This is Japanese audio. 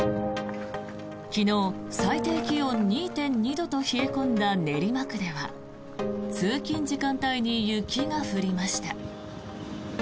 昨日、最低気温２．２度と冷え込んだ練馬区では通勤時間帯に雪が降りました。